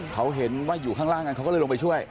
เขาเห็นว่าอยู่ข้างล่างกันเขาก็เลยลงไปช่วย